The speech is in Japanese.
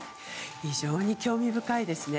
非常に興味深いですね。